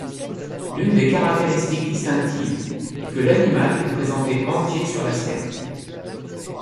L'une de ces caractéristiques distinctives est que l'animal est présenté entier sur l'assiette.